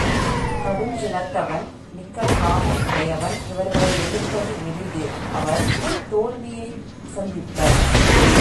கடுஞ்சினத்தவன், மிக்க காமம் உடையவன் இவர்களை எதிர்ப்பது எளிது அவர் தோல்வியைச் சந்திப்பர்.